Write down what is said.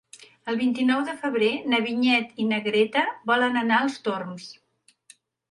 El vint-i-nou de febrer na Vinyet i na Greta volen anar als Torms.